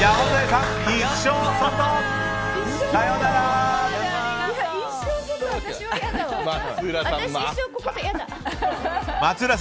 さよなら！